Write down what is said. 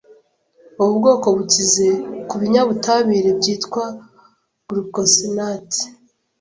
Ubu bwoko bukize ku binyabutabire byitwa glucosinates ,